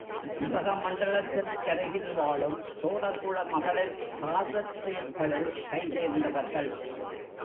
உதகமண்டலத்திற் கருகில் வாழும் தோடர்குல மகளிர் காதற் செயல்களில் கைதேர்ந்தவர்கள்.